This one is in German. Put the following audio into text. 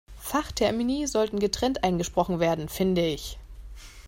Fachtermini sollten getrennt eingesprochen werden, finde ich.